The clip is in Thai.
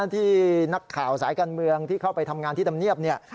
ที่นักข่าวสายการเมืองที่เข้าไปทำงานที่ทำเนียบเนี่ย